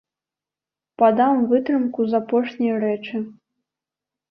Падам вытрымку з апошняй рэчы.